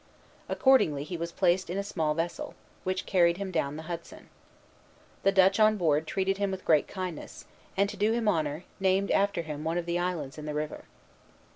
Accordingly he was placed in a small vessel, which carried him down the Hudson. The Dutch on board treated him with great kindness; and, to do him honor, named after him one of the islands in the river.